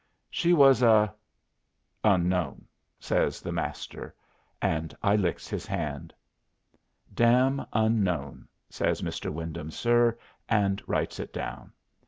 "She was a unknown," says the Master. And I licks his hand. "Dam unknown," says "Mr. Wyndham, sir," and writes it down.